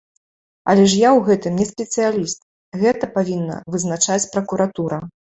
Але ж я ў гэтым не спецыяліст, гэта павінна вызначаць пракуратура.